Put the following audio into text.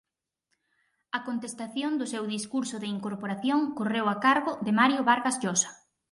A contestación do seu discurso de incorporación correu a cargo de Mario Vargas Llosa.